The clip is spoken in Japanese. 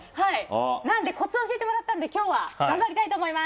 なのでコツ教えてもらったので今日は頑張りたいと思います。